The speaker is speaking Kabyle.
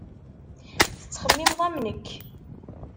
Tettxemmimeḍ am nekk.